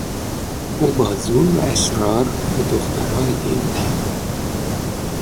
او با زور و اصرار به دخترها هدیه میدهد.